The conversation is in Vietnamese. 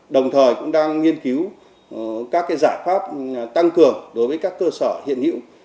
đồng thời cũng đang nghiên cứu các giải pháp tăng cường đối với các cơ sở hiện hữu